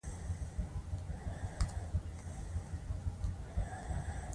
چاپندازان ډېر زړور خلک وي.